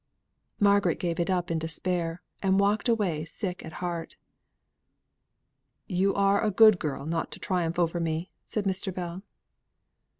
Margaret gave it up in despair, and walked away sick at heart. "You are a good girl not to triumph over me," said Mr. Bell.